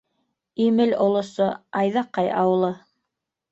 Имел олосо, Айҙаҡай ауылы.